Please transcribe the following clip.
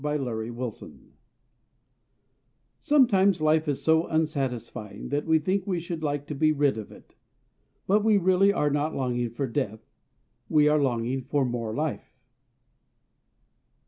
LIFE, NOT DEATH Sometimes life is so unsatisfying that we think we should like to be rid of it. But we really are not longing for death; we are longing for more life.